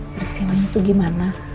peristiwanya itu gimana